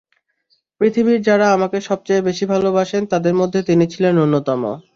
পৃথিবীর যাঁরা আমাকে সবচেয়ে বেশি ভালোবাসেন, তাঁদের মধ্যে তিনি ছিলেন অন্যতম।